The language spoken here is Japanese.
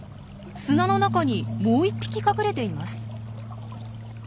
砂の中にもう１匹隠れています。